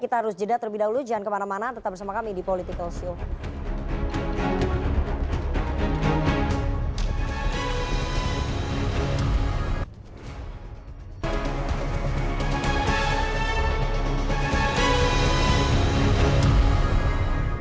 kita harus jeda terlebih dahulu jangan kemana mana tetap bersama kami di political show